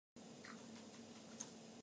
サラゴサ県の県都はサラゴサである